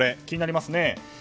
気になりますよね。